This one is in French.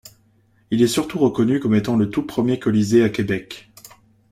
Il est surtout reconnu comme étant le tout premier Colisée à Québec.